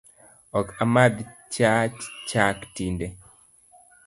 Ok amadh cha chak tinde